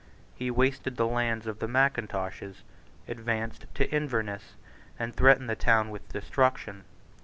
He wasted the lands of the Mackintoshes, advanced to Inverness, and threatened the town with destruction.